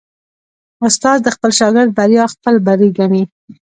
استاد د خپل شاګرد بریا خپل بری ګڼي.